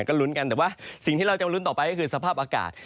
ก็ลุ้นกันแต่ว่าสิ่งที่เราจะลุ้นต่อไปก็คือสภาพอากาศ